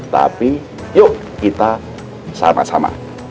tapi yuk kita sama sama